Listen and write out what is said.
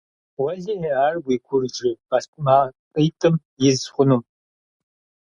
Уэлэхьи, ар уи куржы къэлътмакъитӀым из хъунум.